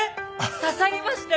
刺さりましたよ